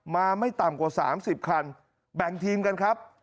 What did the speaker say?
มาไม่ต่ำกว่าสามสิบคันแบ่งทีมกันครับ